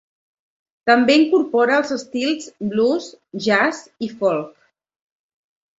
També incorpora els estils blues, jazz i folk.